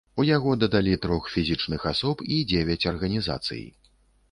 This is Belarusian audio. У яго дадалі трох фізічных асоб і дзевяць арганізацый.